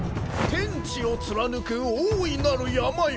天地を貫く大いなる山よ